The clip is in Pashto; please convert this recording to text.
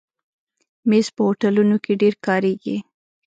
مېز په هوټلونو کې ډېر کارېږي.